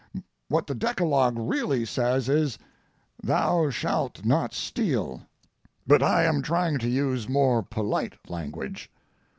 What the decalogue really says is, "Thou shalt not steal," but I am trying to use more polite language.